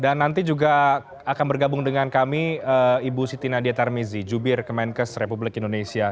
dan nanti juga akan bergabung dengan kami ibu siti nadia tarmizi jubir kemenkes republik indonesia